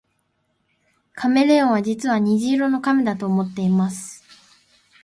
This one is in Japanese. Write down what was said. カメレオンは実は虹色の亀だと思っています